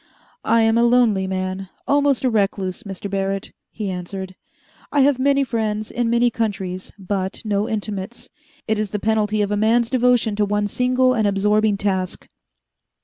"I am a lonely man, almost a recluse, Mr. Barrett," he answered. "I have many friends in many countries but no intimates. It is the penalty of a man's devotion to one single and absorbing task.